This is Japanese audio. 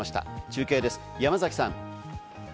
中継です、山崎さん。